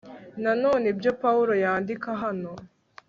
na none ibyo pawulo yandika hano